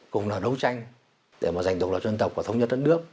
cùng là đấu tranh để mà giành độc lập dân tộc và thống nhất đất nước